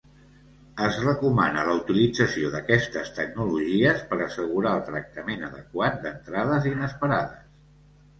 Es recomana la utilització d'aquestes tecnologies per assegurar el tractament adequat d'entrades inesperades.